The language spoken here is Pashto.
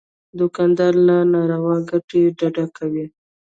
دوکاندار له ناروا ګټې ډډه کوي.